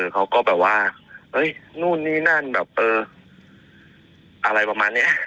เขาก็แบบว่านู่นนี่นั่นแบบเอออะไรประมาณนี้